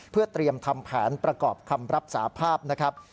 เพื่อเตรียมทำแผนประกอบคำรับสาภาพนะครับ